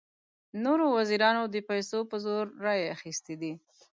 نورو وزیرانو د پیسو په زور رایې اخیستې دي.